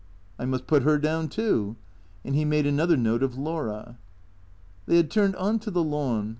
" I must put her down too." And he made another note of Laura. They had turned on to the lawn.